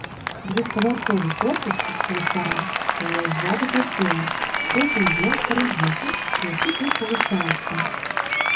Двухпавярховы корпус кляштара стаяў ззаду касцёла, трохі ўверх па рэльефу, які тут павышаецца.